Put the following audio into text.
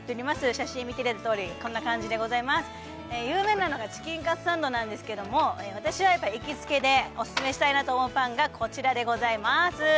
写真見ていただいたとおりこんな感じでございます有名なのがチキンカツサンドなんですけども私は行きつけでオススメしたいなと思うパンがこちらでございます